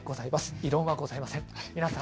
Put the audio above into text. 異論はございません。